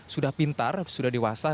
sudah pintar sudah dewasa